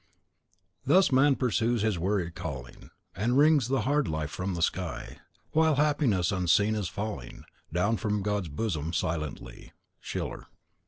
Thus man pursues his weary calling, And wrings the hard life from the sky, While happiness unseen is falling Down from God's bosom silently. Schiller.